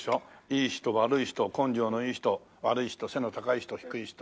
いい人悪い人根性のいい人悪い人背の高い人低い人。